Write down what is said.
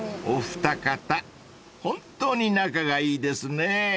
［お二方本当に仲がいいですねぇ］